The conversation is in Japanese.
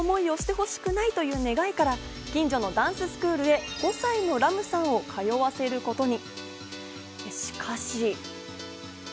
子供にはそんな思いをしてほしくないという願いから近所のダンススクールへ５歳のＲＡＭさんを通わせることに。